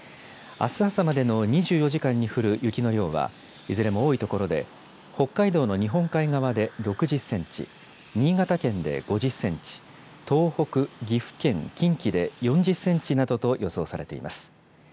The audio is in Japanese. あす朝までの２４時間に降る雪の量は、いずれも多い所で、北海道の日本海側で６０センチ、新潟県で５０センチ、東北、岐阜県、近畿で４０センチなどと予想されています。